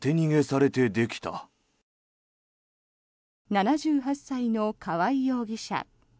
７８歳の川合容疑者。